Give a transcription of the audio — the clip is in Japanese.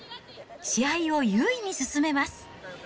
試合を優位に進めます。